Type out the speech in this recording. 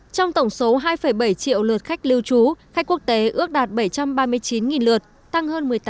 trong tổng số hai bảy triệu lượt khách lưu trú khách quốc tế ước đạt bảy trăm ba mươi chín lượt tăng hơn một mươi tám